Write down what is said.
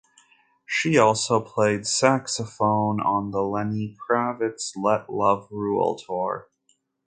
She also played saxophone on the Lenny Kravitz Let Love Rule tour.